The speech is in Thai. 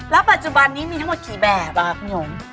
ปัจจุบันนี้มีทั้งหมดกี่แบบคุณหยง